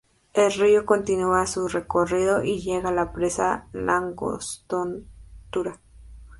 El río continúa su recorrido y llega a la Presa La Angostura.